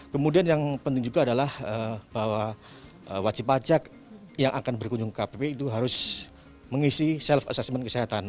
kemudian yang penting juga adalah bahwa wajib pajak yang akan berkunjung ke kpp itu harus mengisi self assessment kesehatan